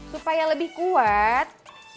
supaya lebih kuat